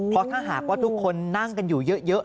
เพราะถ้าหากว่าทุกคนนั่งกันอยู่เยอะ